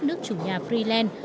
nước chủ nhà freeland